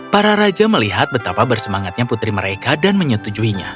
para raja melihat betapa bersemangatnya putri mereka dan menyetujuinya